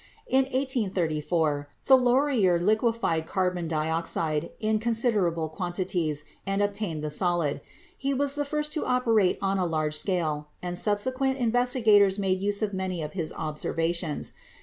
In 1834, Thilorier liquefied carbon dioxide in considerable quantities and obtained the solid ; he was the first to operate on a large scale, and subsequent investigators made use of many of his observations.